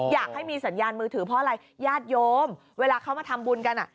อยากให้มีสัญญาณมือถือเพราะอะไรญาติโยมเวลาเขามาทำบุญกัน